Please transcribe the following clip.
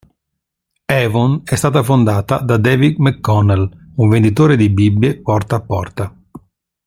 Avon è stata fondata da David McConnell, un venditore di Bibbie porta a porta.